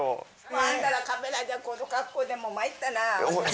あんたらカメラじゃ、この格好で、まいったな。